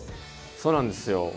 そうなんですよ。